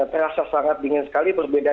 terasa sangat dingin sekali berbeda